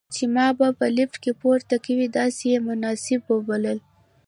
چې ما به په لفټ کې پورته کوي، داسې یې مناسب وبلله.